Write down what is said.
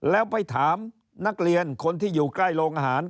แล้วไปถามนักเรียนคนที่อยู่ใกล้โรงอาหาร